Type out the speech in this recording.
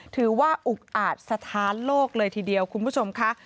อุกอาจสถานโลกเลยทีเดียวคุณผู้ชมค่ะ